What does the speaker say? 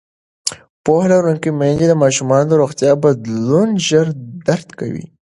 پوهه لرونکې میندې د ماشومانو د روغتیا بدلون ژر درک کوي.